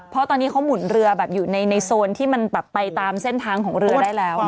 เพราะตอนนี้เขาหมุนเรือแบบอยู่ในโซนที่มันแบบไปตามเส้นทางของเรือได้แล้ว